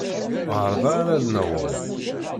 Ɣer da ara d-naweḍ.